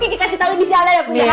ki kasih tau inisialnya ya